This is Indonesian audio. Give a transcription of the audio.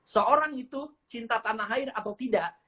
seorang itu cinta tanah air atau tidak